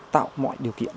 tạo mọi điều kiện